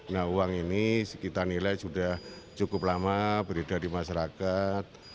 nah uang ini kita nilai sudah cukup lama beredar di masyarakat